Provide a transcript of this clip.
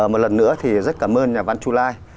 một lần nữa thì rất cảm ơn nhà văn chu lai